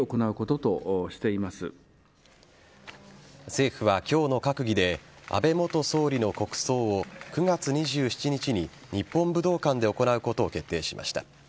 政府は今日の閣議で安倍元総理の国葬を９月２７日に日本武道館で行うことを決定しました。